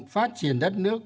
phát triển đất nước